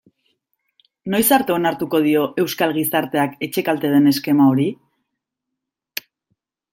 Noiz arte onartuko dio euskal gizarteak etxekalte den eskema hori?